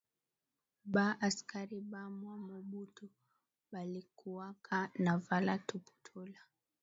Ba askari ba mwa mobutu balikuwaka na vala tuputula